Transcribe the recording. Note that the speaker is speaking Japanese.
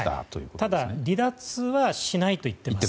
ただ離脱はしないと言ってます。